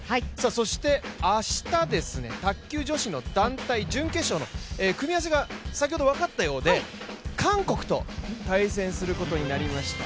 そして明日ですね、卓球女子団体の準決勝の組み合わせが先ほど分かったようで韓国と対戦することになりました。